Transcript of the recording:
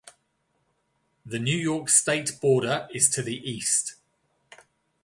The New York state border is to the east.